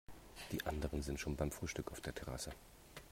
Die anderen sind schon beim Frühstück auf der Terrasse.